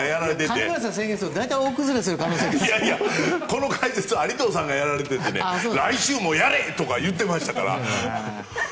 この解説有藤さんがやられていて来週もやれとか言っていましたから。